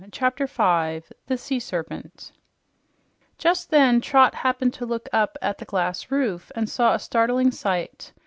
CHAPTER 5 THE SEA SERPENT Just then Trot happened to look up at the glass roof and saw a startling sight.